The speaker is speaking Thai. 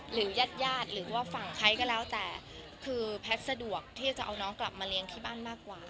ญาติญาติหรือว่าฝั่งใครก็แล้วแต่คือแพทย์สะดวกที่จะเอาน้องกลับมาเลี้ยงที่บ้านมากกว่า